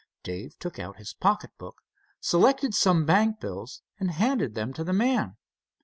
Dave took out his pocket book, selected some bank bills, and handed them to the man.